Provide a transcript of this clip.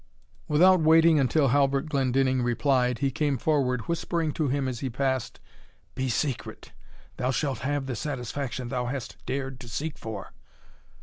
Without waiting until Halbert Glendinning replied, he came forward, whispering to him as he passed, "Be secret thou shalt have the satisfaction thou hast dared to seek for."